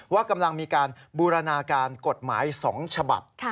ว่ากำลังมีการบูรณาการกฎหมาย๒ฉบับ